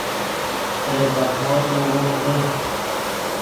ترے زخمو توغیم دے